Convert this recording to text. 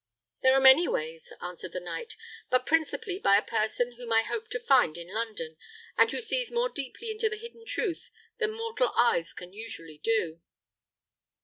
"There are many ways," answered the knight; "but principally by a person whom I hope to find in London, and who sees more deeply into the hidden truth than mortal eyes can usually do."